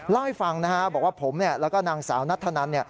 เล่าให้ฟังนะฮะบอกว่าผมแล้วก็นางสาวนัทธนัน